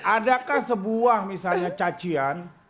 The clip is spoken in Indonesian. adakah sebuah misalnya cacian